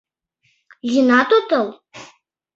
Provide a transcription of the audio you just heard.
Йӱынат отыл?